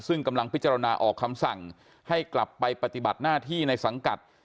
ซึ่งกำลังพิจารณาออกคำสั่งให้กลับไปปฏิบัติหน้าที่ในสังกัด